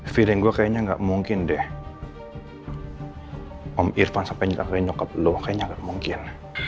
feeling gua kayaknya nggak mungkin deh om irfan sampai nyokap lo kayaknya nggak mungkin